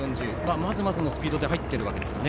まずまずのスピードで入っているわけですかね。